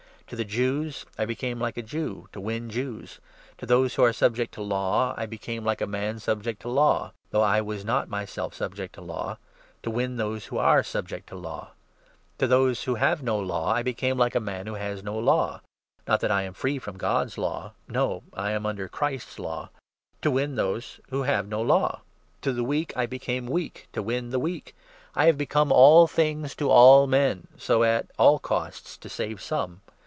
To the Jews I became 20 like a Jew, to win Jews. To those who are subject to Law I be came like a man subject to Law — though I was not myself sub ject to Law — to win those who are subject to Law. To those 21 who have no Law I became like a man who has no Law — not that I am free from God's Law ; no, for I am under Christ's Law — to win those who have no Law. To the weak I became weak, 22 to win the weak. I have become all things to all men, so as at all costs to save some.